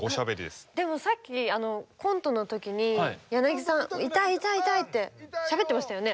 でもさっきコントのときにヤナギさん「痛い痛い痛い」ってしゃべってましたよね。